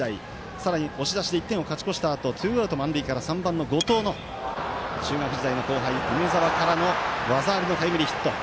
さらに押し出しで１点を勝ち越したあとツーアウト、満塁から３番の後藤の中学時代の後輩梅澤からの技ありのタイムリーヒット。